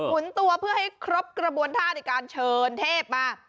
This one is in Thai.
หุนตัวเพื่อให้ครบกระบวนท่าในการเชิญเทพมา